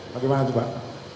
bagaimana itu pak